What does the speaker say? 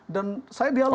dan saya dia lupa